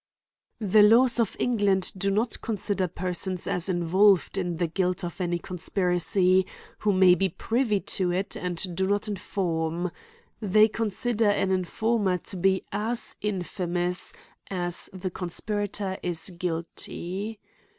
The laws of England do not consider persons as involved in the guilt of any conspiracy, who may be privy to it, and do not inform : they con QRIMES AND PUNISHMENTS. 209 sider an informer to be as infamous, as the con spirator is guilty.